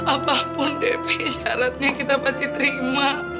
apapun defi syaratnya kita pasti terima